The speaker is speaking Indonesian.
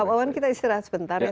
pak bawan kita istirahat sebentar ya